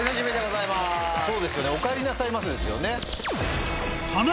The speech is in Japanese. そうですよねおかえりなさいませですよね。